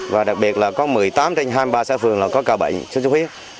và đặc biệt là có một mươi tám trên hai mươi ba xã phường có ca bệnh suốt suốt huyết